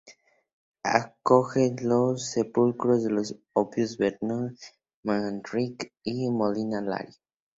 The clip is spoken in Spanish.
Acoge los sepulcros de los obispos Bernardo Manrique y Molina Lario.